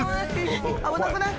危なくない？